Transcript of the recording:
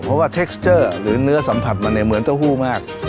เพราะว่าเทคสเจอร์หรือเนื้อสัมผัสมันเนี่ยเหมือนเต้าหู้มาก